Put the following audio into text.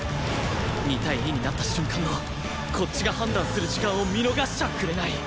２対２になった瞬間のこっちが判断する時間を見逃しちゃくれない